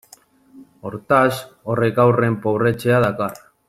Hortaz, horrek haurren pobretzea dakar.